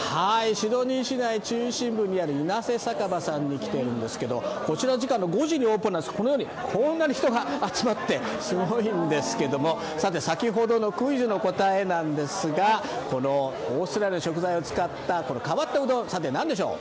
シドニー市内中心部にあるイナセ酒場さんに来ているんですけどこちら５時にオープンなんですがこんなに人が集まっていてすごいんですけど、先ほどのクイズの答えなんですが、このオーストラリアの食材を使った変わったうどん、何でしょう？